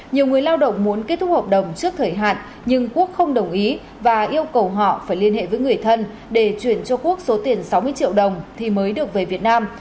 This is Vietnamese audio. nhiều người lao động muốn kết thúc hợp đồng trước thời hạn nhưng quốc không đồng ý và yêu cầu họ phải liên hệ với người thân để chuyển cho quốc số tiền sáu mươi triệu đồng thì mới được về việt nam